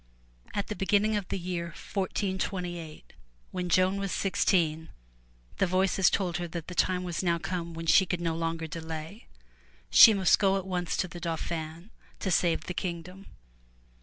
At the beginning of the year 1428, when Joan was sixteen, the Voices told her that the time was now come when she could no longer delay. She must go at once to the Dauphin to save the kingdom.